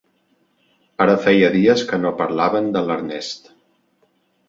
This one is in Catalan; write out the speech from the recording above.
Ara feia dies que no parlaven de l'Ernest.